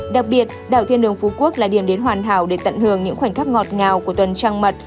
đặc biệt đảo thiên đường phú quốc là điểm đến hoàn hảo để tận hưởng những khoảnh khắc ngọt ngào của tuần trang mật